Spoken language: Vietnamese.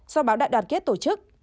do báo đại đoàn kết tổ chức